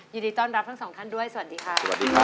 ยินดีต้อนรับทั้งท่องท่านด้วยค่ะ